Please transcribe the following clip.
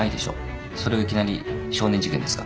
それをいきなり少年事件ですか。